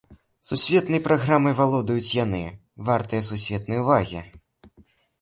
Сусветнай праграмай валодаюць яны, вартыя сусветнай увагі!